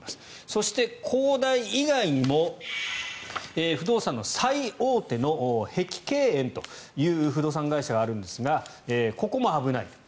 そして、恒大以外にも不動産の最大手の碧桂園という不動産会社があるんですがここも危ないと。